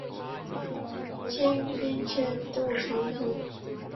清兵潜渡城河。